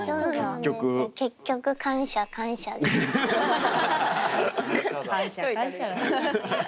結局感謝感謝です。